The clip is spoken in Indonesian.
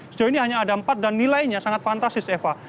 sejauh ini hanya ada empat dan nilainya sangat fantastis eva